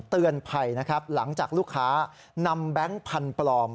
เตือนภัยนะครับหลังจากลูกค้านำแบงค์พันธุ์ปลอม